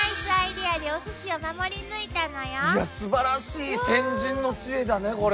いやすばらしい先人の知恵だねこれ。